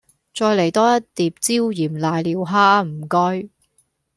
再黎多一碟椒鹽瀨尿蝦吖唔該